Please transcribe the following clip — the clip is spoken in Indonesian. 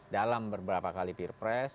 dalam beberapa kali peer press